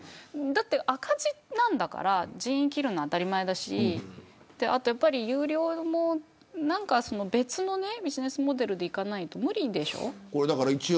だって赤字なんだから人員切るのは当たり前だし有料も別のビジネスモデルでいかないと無理でしょ。